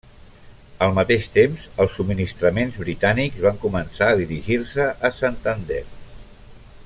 Al mateix temps els subministraments britànics van començar a dirigir-se a Santander.